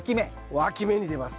わき芽に出ます。